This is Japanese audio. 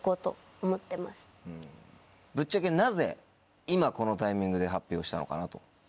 ぶっちゃけなぜ今このタイミングで発表したのかなと。